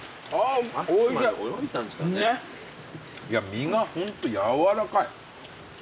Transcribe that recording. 身がホント軟らかい。